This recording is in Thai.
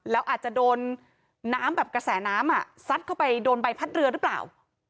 แล้วอาจจะโดนน้ำแบบกระแสน้ำซัดเข้าไปโดนใบพัดเรือหรือเปล่า